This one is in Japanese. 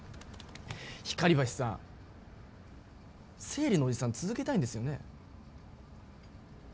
光橋さん、生理のおじさん続けたいんですよね？